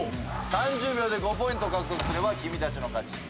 ３０秒で５ポイント獲得すれば君たちの勝ち。